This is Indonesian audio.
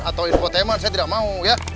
atau infotainment saya tidak mau ya